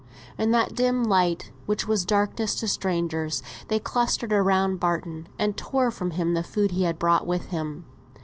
] In that dim light, which was darkness to strangers, they clustered round Barton, and tore from him the food he had brought with him.